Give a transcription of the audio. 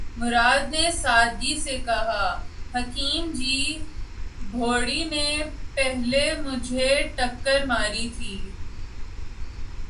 مراد نے سادگی سے کہا:”حکیم جی! بھوری نے پہلے مجھے ٹکر ماری تھی۔